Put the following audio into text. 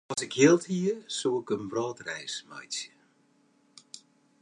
As ik jild hie, soe ik in wrâldreis meitsje.